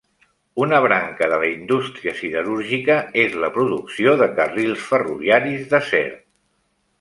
Una branca de la indústria siderúrgica és la producció de carrils ferroviaris d'acer.